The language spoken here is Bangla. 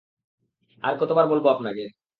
আর কতবার বলব আপনাকে?